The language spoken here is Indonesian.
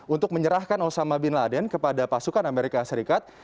untuk menyerahkan osama bin laden kepada pasukan amerika serikat